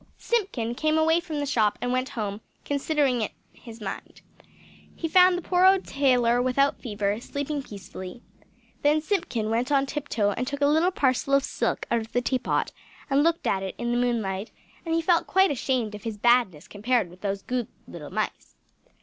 Simpkin came away from the shop and went home, considering in his mind. He found the poor old tailor without fever, sleeping peacefully. Then Simpkin went on tip toe and took a little parcel of silk out of the tea pot, and looked at it in the moonlight; and he felt quite ashamed of his badness compared with those good little mice!